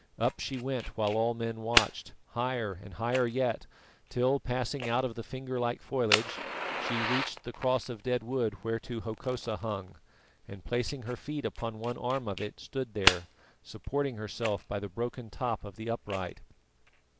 Up she went while all men watched, higher and higher yet, till passing out of the finger like foliage she reached the cross of dead wood whereto Hokosa hung, and placing her feet upon one arm of it, stood there, supporting herself by the broken top of the upright.